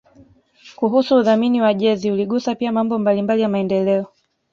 kuhusu udhamini wa jezi uligusa pia mambo mbalimbali ya maendeleo